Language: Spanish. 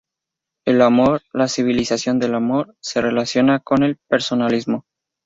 El amor, la civilización del amor, se relaciona con el personalismo.